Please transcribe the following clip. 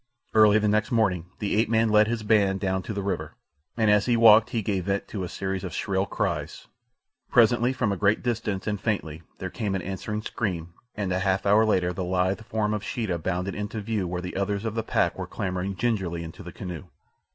Early the next morning the ape man led his band down to the river, and as he walked he gave vent to a series of shrill cries. Presently from a great distance and faintly there came an answering scream, and a half hour later the lithe form of Sheeta bounded into view where the others of the pack were clambering gingerly into the canoe.